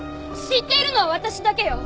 知っているのは私だけよ。